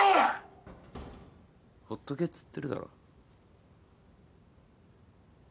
ほっとけっつってるだろ。